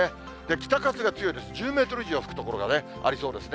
北風が強いです、１０メートル以上吹く所がありそうですね。